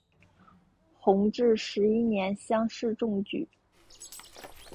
弘治十一年乡试中举。